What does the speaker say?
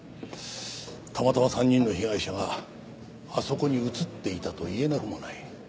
たまたま３人の被害者があそこに写っていたと言えなくもない。